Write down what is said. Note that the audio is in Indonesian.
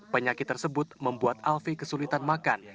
penyakit tersebut membuat alfie kesulitan makan